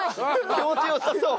気持ち良さそう。